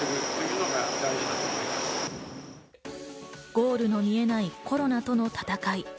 ゴールの見えないコロナとの戦い。